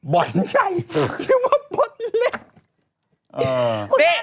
บอนใหญ่เรียกว่าบอนเล็ก